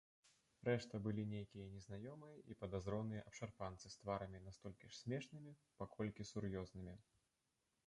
Рэшта былі нейкія незнаёмыя і падазроныя абшарпанцы з тварамі настолькі ж смешнымі, паколькі сур'ёзнымі.